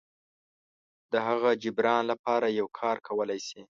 د هغه جبران لپاره یو کار کولی شي.